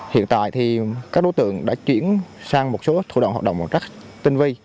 hiện tại thì các đối tượng đã chuyển sang một số thủ đoạn hoạt động rất tinh vi